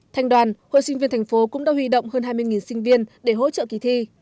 thành đoàn hội sinh viên thành phố cũng đã huy động hơn hai mươi sinh viên để hỗ trợ kỳ thi